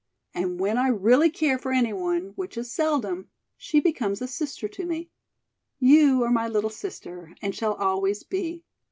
And when I really care for any one, which is seldom, she becomes a sister to me. You are my little sister, and shall always be.